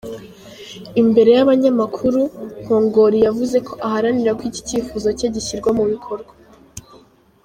Imbere y’abanyamakuru, Nkongori yavuze ko aharanira ko iki cyifuzo cye gishyirwa mu bikorwa.